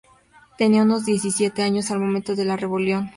Tenía unos diecisiete años al momento de la rebelión.